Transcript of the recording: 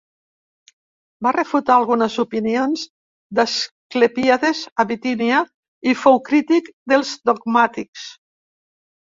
Va refutar algunes opinions d'Asclepíades de Bitínia i fou crític dels dogmàtics.